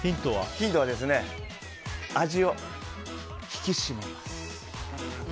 ヒントは、味を引き締めます。